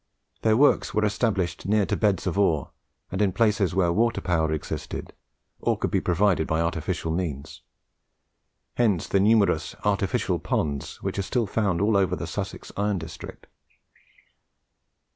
Their works were established near to the beds of ore, and in places where water power existed, or could be provided by artificial means. Hence the numerous artificial ponds which are still to be found all over the Sussex iron district.